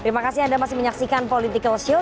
terima kasih anda masih menyaksikan political show